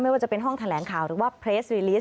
ว่าจะเป็นห้องแถลงข่าวหรือว่าเพลสรีลิส